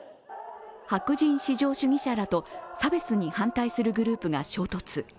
白人至上主義者らと差別に反対するグループが衝突。